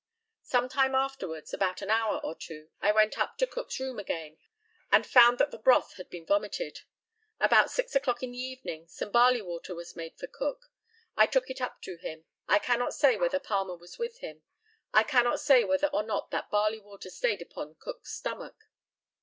Some time afterwards (about an hour or two), I went up to Cook's room again, and found that the broth had been vomited. About six o'clock in the evening, some barley water was made for Cook. I took it up to him. I cannot say whether Palmer was with him. I cannot say whether or not that barley water stayed upon Cook's stomach.